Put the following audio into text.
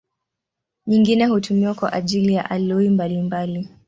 Nyingine hutumiwa kwa ajili ya aloi mbalimbali.